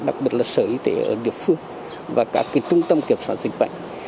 đặc biệt là sở y tế ở địa phương và các trung tâm kiểm soát dịch bệnh